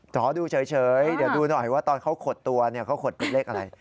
ขอดูเฉยเดี๋ยวดูหน่อยว่าตอนเขาขดตัวเนี่ยเขาขดเป็นเลขอะไร